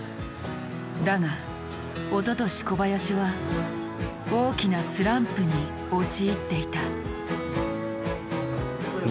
だがおととし小林は大きなスランプに陥っていた。